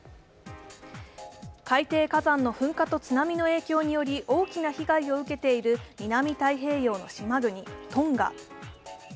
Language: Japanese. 海底火山の噴火と津波の影響により大きな被害を受けている南太平洋の島国トンガ。